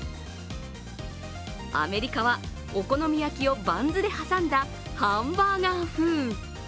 アメリカはお好み焼きをバンズで挟んだハンバーガー風。